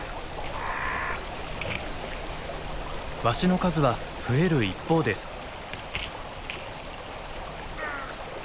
ワシの数は増える一方です。